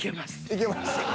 いけますか？